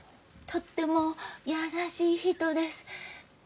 とっても優しい人です。